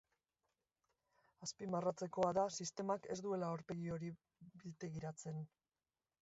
Azpimarratzekoa da sistemak ez duela aurpegi hori biltegiratzen.